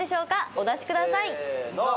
お出しくださいせー